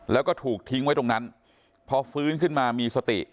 แล้วก็ถูกทิ้งไว้ตรงนั้นพอฟื้นขึ้นมามีสติ